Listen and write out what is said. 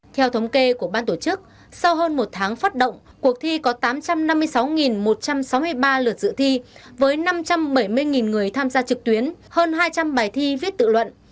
theo thống kê của ban tổ chức sau hơn một tháng phát động cuộc thi có tám trăm năm mươi sáu một trăm sáu mươi ba lượt dự thi với năm trăm bảy mươi người tham gia trực tuyến hơn hai trăm linh bài thi viết tự luận